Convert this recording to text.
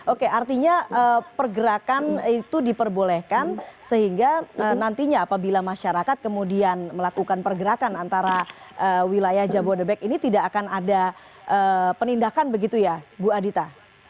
oke artinya pergerakan itu diperbolehkan sehingga nantinya apabila masyarakat kemudian melakukan pergerakan antara wilayah jabodebek ini tidak akan ada penindakan begitu ya bu adita